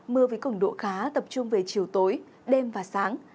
mưa với cổng độ khá tập trung về chiều tối đêm và sáng